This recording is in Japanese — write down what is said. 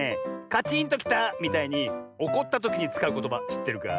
「カチンときた」みたいにおこったときにつかうことばしってるか？